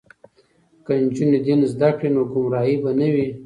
که نجونې دین زده کړي نو ګمراهي به نه وي.